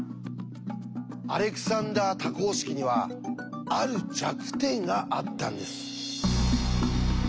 アレクサンダー多項式にはある弱点があったんです。